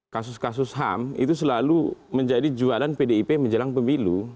kasus kasus ham itu selalu menjadi jualan pdip menjelang pemilu